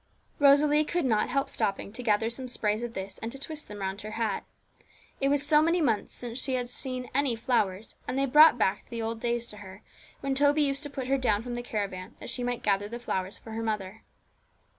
Rosalie could not help stopping to gather some sprays of this, and to twist them round her hat. It was so many months since she had seen any flowers; and they brought the old days back to her, when Toby used to put her down from the caravan, that she might gather the flowers for her mother.